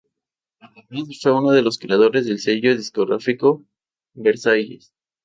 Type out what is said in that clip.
Además, fue uno de los creadores del sello discográfico Versailles.